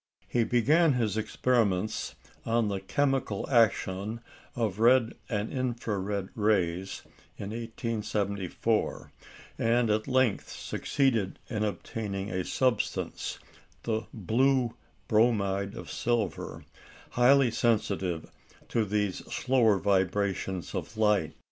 He began his experiments on the chemical action of red and infra red rays in 1874, and at length succeeded in obtaining a substance the "blue" bromide of silver highly sensitive to these slower vibrations of light.